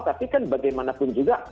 tapi kan bagaimanapun juga